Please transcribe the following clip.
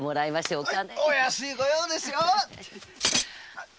お安い御用ですよ！